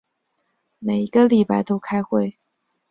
每一个礼拜都开会。